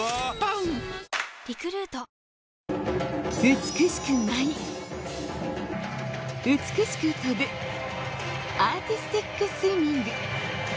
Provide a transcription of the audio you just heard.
美しく舞い、美しく飛ぶ、アーティスティックスイミング。